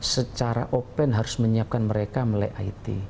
secara open harus menyiapkan mereka melalui it